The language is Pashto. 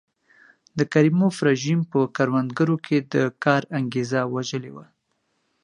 د کریموف رژیم په کروندګرو کې د کار انګېزه وژلې وه.